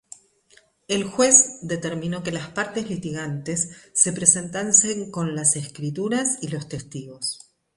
El juez determinó que las partes litigantes se presentasen con las escrituras y testigos.